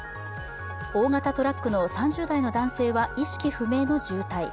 大型トラックの３０代の男性は、意識不明の重体。